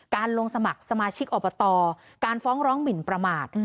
ลงสมัครสมาชิกอบตการฟ้องร้องหมินประมาท